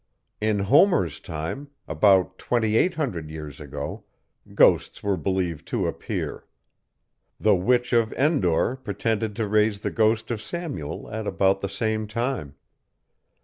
In Homer's time, about twenty eight hundred years ago, ghosts were believed to appear. The Witch of Endor pretended to raise the ghost of Samuel, at about the same time.